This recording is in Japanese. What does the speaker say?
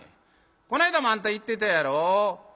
こないだもあんた行ってたやろ？